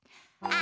あ！